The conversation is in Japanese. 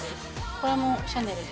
これもシャネルです